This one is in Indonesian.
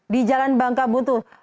di jalan bangka buntu